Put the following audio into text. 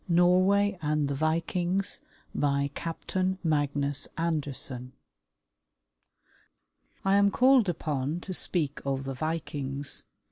NORWAY AND THE VIKINGS BY CAPTAIN MAGNUS ANDERSEN I am called upon to speak of the Vikings.